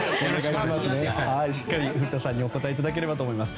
しっかり古田さんにお答えいただければと思います。